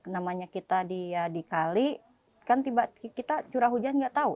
namanya kita dikali kan kita curah hujan nggak tahu